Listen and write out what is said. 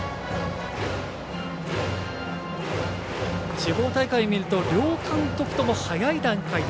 地方大会を見ると両監督とも早い段階で